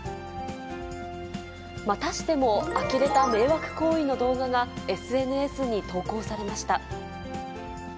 またしてもあきれた迷惑行為の動画が、ＳＮＳに投稿されました。